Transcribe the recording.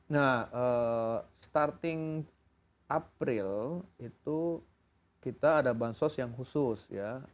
nah starting april itu kita ada bansos yang khusus ya